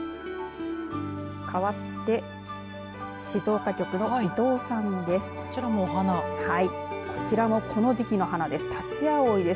かわって静岡局の伊藤さんです。